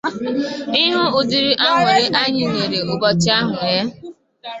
ị hụ ụdịrị añụrị anyị nwere ụbọchị ahụ èé